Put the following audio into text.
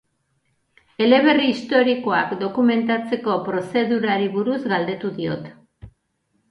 Eleberri historikoak dokumentatzeko prozedurari buruz galdetu diot.